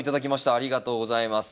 ありがとうございます。